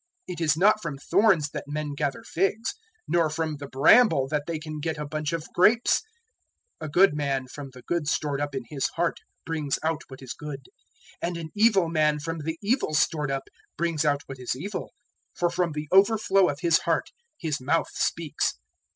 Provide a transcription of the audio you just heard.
It is not from thorns that men gather figs, nor from the bramble that they can get a bunch of grapes. 006:045 A good man from the good stored up in his heart brings out what is good; and an evil man from the evil stored up brings out what is evil; for from the overflow of his heart his mouth speaks.